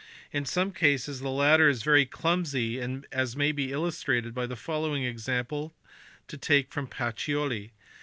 In some cases the latter is very clumsy as may be illustrated by the following example take from Pacioli.